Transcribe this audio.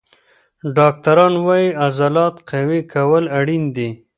ډاکټران وایي عضلات قوي کول اړین دي.